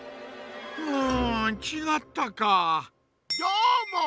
うんちがったか。